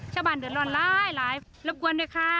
ชาวบ้านเดือดร้อนหลายรบกวนด้วยค่ะ